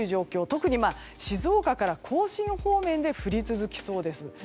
特に静岡から甲信方面で降り続きそうです。